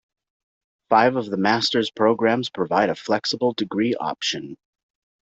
Five of the masters programs provide a flexible degree option.